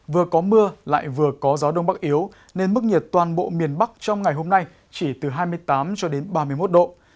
vừa có mưa lại vừa có gió đông bắc yếu nên mức nhiệt toàn bộ miền bắc trong ngày hôm nay chỉ từ hai mươi tám ba mươi một độ